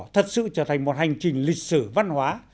thật sự trở thành một hành trình lịch sử văn hóa